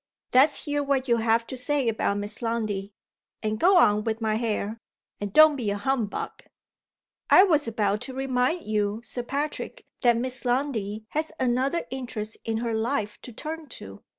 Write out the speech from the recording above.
Let's hear what you have to say about Miss Lundie. And go on with my hair. And don't be a humbug." "I was about to remind you, Sir Patrick, that Miss Lundie has another interest in her life to turn to.